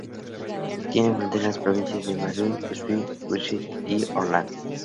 Tiene frontera con las provincias de Møre og Romsdal, Oppland, Buskerud y Hordaland.